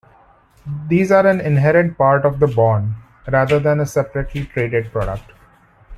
These are an inherent part of the bond, rather than a separately traded product.